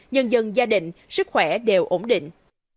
nhân dân gia đình sức khỏe đều ổn định